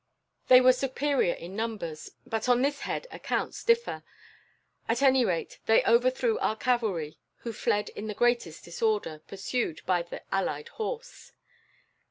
They were superior in numbers, but on this head accounts differ. At any rate, they overthrew our cavalry, who fled in the greatest disorder, pursued by the allied horse.